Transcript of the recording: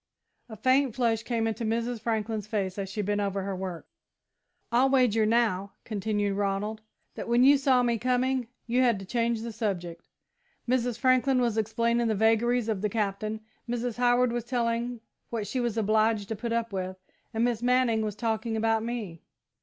A faint flush came into Mrs. Franklin's face as she bent over her work. "I'll wager, now," continued Ronald, "that when you saw me coming, you had to change the subject. Mrs. Franklin was explaining the vagaries of the Captain, Mrs. Howard was telling what she was obliged to put up with, and Miss Manning was talking about me."